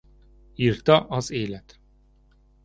Írta az élet.